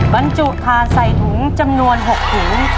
บรรจุทานใส่ถุงจำนวน๖ถุง